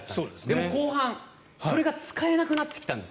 でも後半それが使えなくなってきたんです。